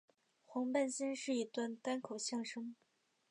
黄半仙是一段单口相声。